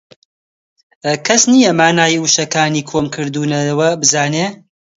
کەس نییە مانای وشەکانی کۆم کردوونەوە بزانێ